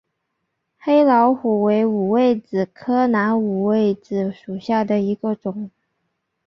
黑老虎为五味子科南五味子属下的一个种。